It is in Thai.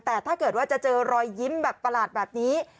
แต่ถ้าเกิดว่าจะเจอรอยยิ้มแบบประหลาดแบบนี้